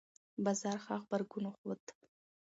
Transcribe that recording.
بازار ښه غبرګون وښود.